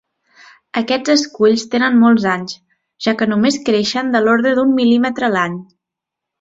Aquests esculls tenen molts anys, ja que només creixen de l'ordre d'un mil·límetre l'any.